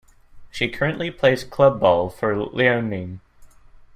She currently plays club ball for Liaoning.